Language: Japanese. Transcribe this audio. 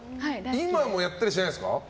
今やったりしてないんですか？